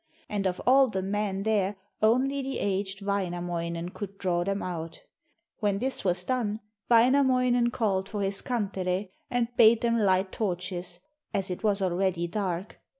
And of all the men there only the aged Wainamoinen could draw them out. When this was done, Wainamoinen called for his kantele and bade them light torches, as it was already dark.